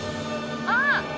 あっ！